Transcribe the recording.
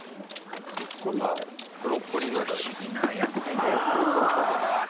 不思議な野菜だよなあ。